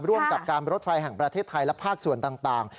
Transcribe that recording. ร่วมกับการรถไฟแห่งประเทศไทยและภาคส่วนต่าง